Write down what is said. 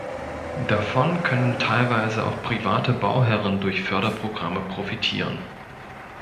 Davon können teilweise auch private Bauherren durch Förderprogramme profitieren.